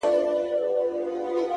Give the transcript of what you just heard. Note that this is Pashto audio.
دا عجیب منظرکسي ده; وېره نه لري امامه;